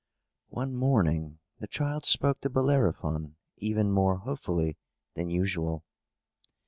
One morning the child spoke to Bellerophon even more hopefully than usual.